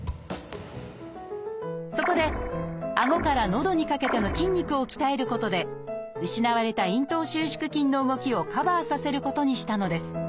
そこであごからのどにかけての筋肉を鍛えることで失われた咽頭収縮筋の動きをカバーさせることにしたのです。